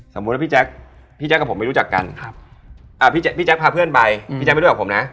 สมมุติว่าพี่แจ๊คกับผมไม่รู้จักกันพี่แจ๊คพาเพื่อนไปพี่แจ๊คไม่รู้กับผมนะ